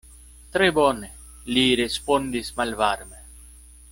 Tre bone, li respondis malvarme.